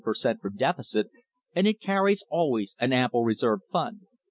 77 per cent, for deficit, and it carries always an ample reserve fund.